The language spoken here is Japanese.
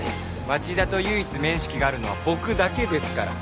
町田と唯一面識があるのは僕だけですから！